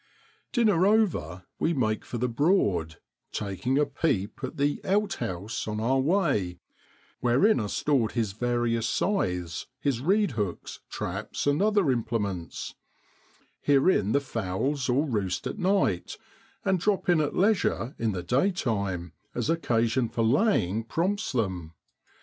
. Dinner over we make for the Broad, taking a peep in the ' outhouse ' on our way, wherein are stored his various scythes, his reedhooks, traps, and other imple ments; herein the fowls all roost at night, and drop in at leisure in the daytime, as occasion for laying prompts them.